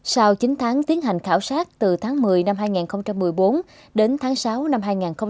sau chín tháng tiến hành khảo sát từ tháng một mươi năm hai nghìn một mươi bốn đến tháng sáu năm hai nghìn một mươi tám